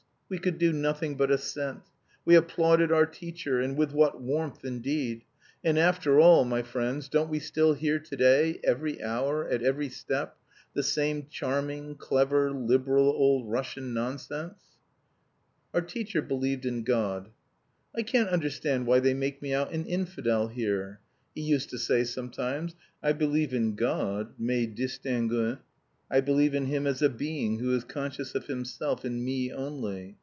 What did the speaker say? We could do nothing but assent. We applauded our teacher and with what warmth, indeed! And, after all, my friends, don't we still hear to day, every hour, at every step, the same "charming," "clever," "liberal," old Russian nonsense? Our teacher believed in God. "I can't understand why they make me out an infidel here," he used to say sometimes. "I believe in God, mais distinguons, I believe in Him as a Being who is conscious of Himself in me only.